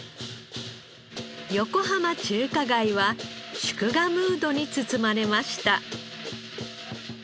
横浜中華街は祝賀ムードに包まれました。